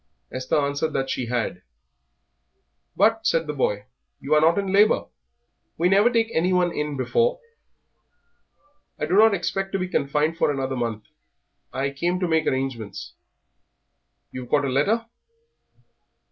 Esther answered that she had. "But," said the boy, "you are not in labour; we never take anyone in before." "I do not expect to be confined for another month. I came to make arrangements." "You've got a letter?"